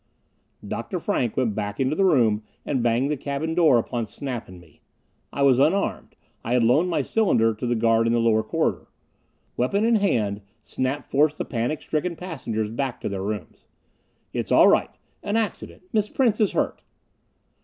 Dr. Frank went back into the room and banged the cabin door upon Snap and me. I was unarmed I had loaned my cylinder to the guard in the lower corridor. Weapon in hand, Snap forced the panic stricken passengers back to their rooms. "It's all right! An accident! Miss Prince is hurt."